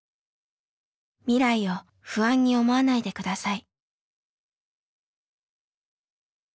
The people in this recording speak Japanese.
未来を不安に思わないで下さい」。